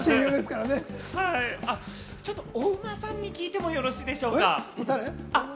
お馬さんに聞いてもよろしいでしょうか？